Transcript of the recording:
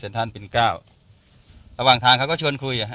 ระหว่างทางเขาก็ชวนคุย